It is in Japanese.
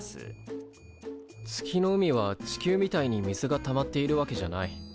月の海は地球みたいに水がたまっているわけじゃない。